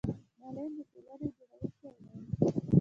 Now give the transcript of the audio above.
معلم د ټولنې جوړونکی دی